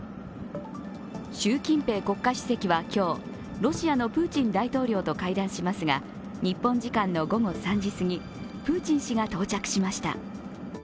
習近平国家主席は今日、ロシアのプーチン大統領と会談しますが日本時間の午後３時過ぎ、プーチン氏が到着しました。